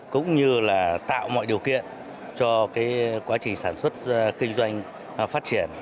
cũng như là tạo mọi điều kiện cho quá trình sản xuất kinh doanh phát triển